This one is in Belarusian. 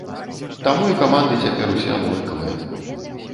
Таму і каманды цяпер усе аднолькавыя.